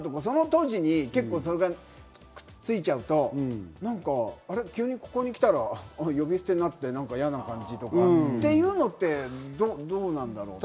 当時にくっついちゃうと急にここに来たら、呼び捨てになって、嫌な感じとかっていうのってどうなんだろう。